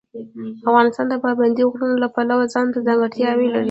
افغانستان د پابندي غرونو له پلوه ځانته ځانګړتیاوې لري.